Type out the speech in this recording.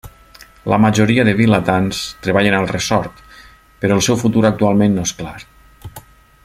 La majoria dels vilatans treballen al ressort, però el seu futur, actualment no és clar.